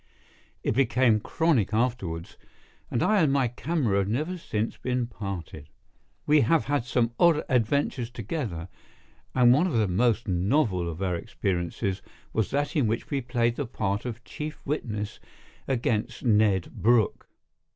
It became chronic afterwards, and I and my camera have never since been parted. We have had some odd adventures together, and one of the most novel of our experiences was that in which we played the part of chief witness against Ned Brooke.